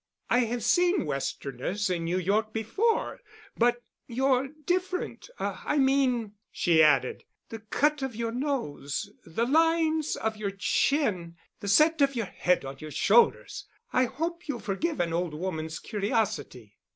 I have seen Westerners in New York before—but you're different—I mean," she added, "the cut of your nose, the lines of your chin, the set of your head on your shoulders. I hope you'll forgive an old woman's curiosity."